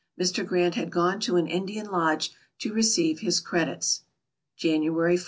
Mr. Grant had gone to an Indian lodge to receive his credits. January 14..